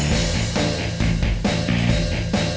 ki sudah pernah berjalan sama lo ya